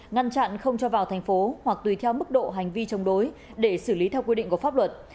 ngăn chặn không cho vào thành phố hoặc tùy theo mức độ hành vi chống đối để xử lý theo quy định của pháp luật